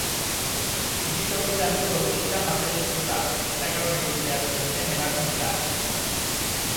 Bi tokitan du hautsita masailezurra, eta gaur egin behar zioten ebakuntza.